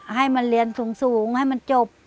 ให้มันเรียนสูงให้มันจบ